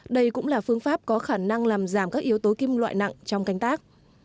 đây cũng là phương pháp có khả năng làm giảm các yếu tố kim loại nặng trong canh tác